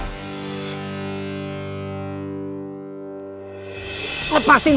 gak bisa deket deket sama usus goreng